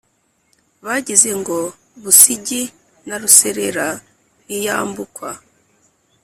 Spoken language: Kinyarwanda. bagize ngo Busigi na Ruserera ntiyambukwa,